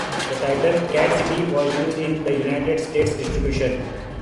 The title "Cat City" was used in the United States distribution.